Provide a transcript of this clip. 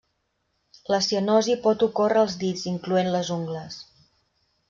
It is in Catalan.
La cianosi pot ocórrer als dits incloent les ungles.